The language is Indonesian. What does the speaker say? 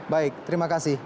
baik terima kasih